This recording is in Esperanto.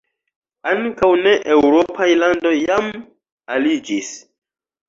Ankaŭ ne-eŭropaj landoj jam aliĝis.